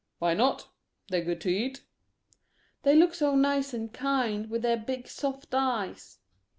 "Why not?" They're good to eat." "They look so nice and kind, with their big soft eyes."